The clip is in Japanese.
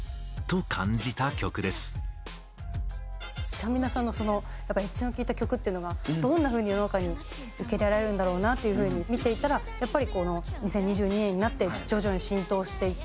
ちゃんみなさんのそのやっぱエッジの利いた曲っていうのがどんな風に世の中に受け入れられるんだろうなっていう風に見ていたらやっぱり２０２２年になって徐々に浸透していって。